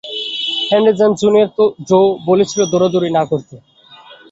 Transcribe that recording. Henry James, junior Joe, বলেছি দৌড়াদৌড়ি না করতে।